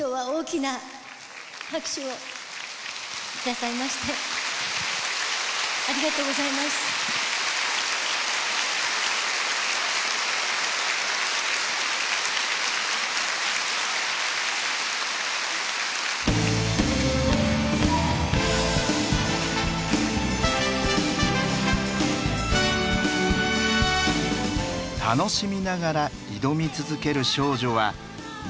楽しみながら挑み続ける少女はまだ５０年目。